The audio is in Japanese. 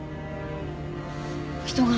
人が。